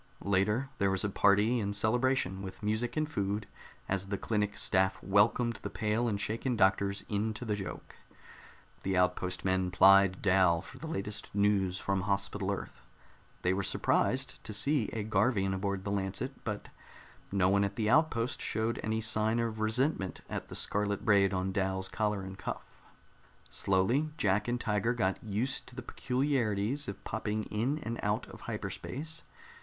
Later, there was a party and celebration, with music and food, as the clinic staff welcomed the pale and shaken doctors into the joke. The outpost men plied Dal for the latest news from Hospital Earth. They were surprised to see a Garvian aboard the Lancet, but no one at the outpost showed any sign of resentment at the scarlet braid on Dal's collar and cuff. Slowly Jack and Tiger got used to the peculiarities of popping in and out of hyperspace.